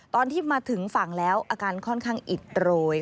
ตอนที่มาถึงฝั่งแล้วอาการค่อนข้างอิดโรย